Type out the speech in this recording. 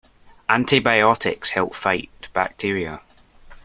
Antibiotics help fight bacteria.